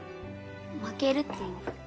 「負ける」って意味